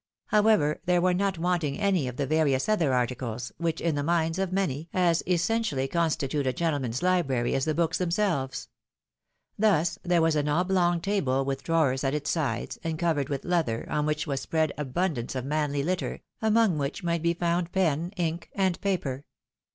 However, there were not want ing any of the various other articles, which, in the minds of many, as essentially constitute a gentleman's library as the books themselves. Thus, there was an oblong table with drawers at its sides, and covered with leather, on which was spread abundance of manly litter, among which 'might be found pen, ink, and paper.